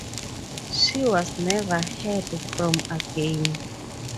She was never heard from again.